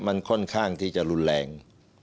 มันค่อนข้างที่จะรุนแรง